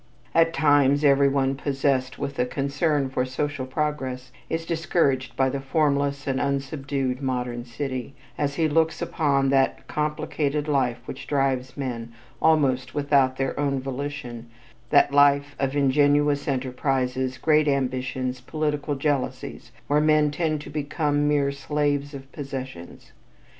At times every one possessed with a concern for social progress is discouraged by the formless and unsubdued modern city, as he looks upon that complicated life which drives men almost without their own volition, that life of ingenuous enterprises, great ambitions, political jealousies, where men tend to become mere "slaves of possessions."